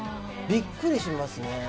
びっくりしますね。